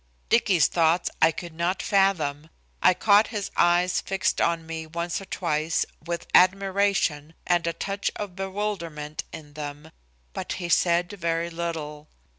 Dicky's thoughts I could not fathom, I caught his eyes fixed on me once or twice with admiration and a touch of bewilderment in them, but he said very little.